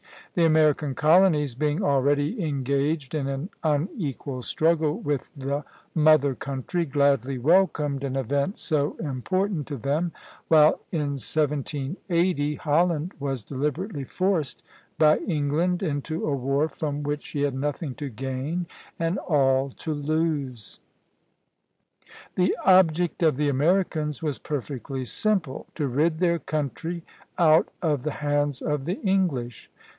The American colonies, being already engaged in an unequal struggle with the mother country, gladly welcomed an event so important to them; while in 1780 Holland was deliberately forced by England into a war from which she had nothing to gain and all to lose. The object of the Americans was perfectly simple, to rid their country out of the hands of the English.